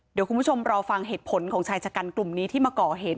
เดี๋ยวคุณผู้ชมรอฟังเหตุผลของชายชะกันกลุ่มนี้ที่มาก่อเหตุ